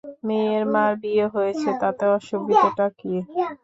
মেয়ের মার বিয়ে হয়েছে, তাতে অসুবিধাটা কী?